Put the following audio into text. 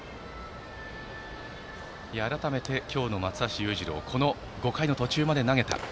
改めて今日の松橋裕次郎５回の途中まで投げた。